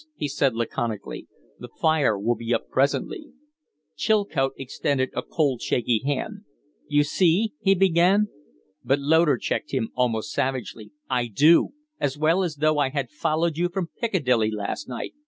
he said, laconically. "The fire will be up presently." Chilcote extended a cold and shaky hand. "You see " he began. But Loder checked him almost savagely. "I do as well as though I had followed you from Piccadilly last night!